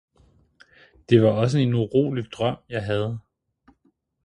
det var også en urolig drøm jeg havde.